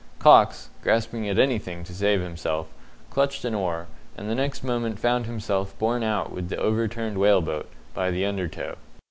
Cox, grasping at anything to save himself, clutched an oar, and the next moment found himself borne out with the overturned whale boat by the under tow.